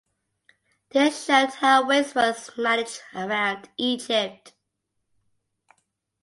This showed how waste was managed around Egypt.